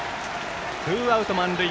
ツーアウト満塁。